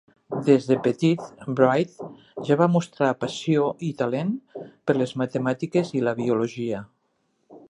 Des de petit, Wright ja va mostrar passió i talent per les matemàtiques i la biologia.